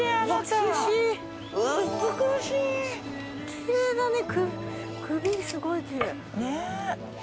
きれいだね首すごいきれい。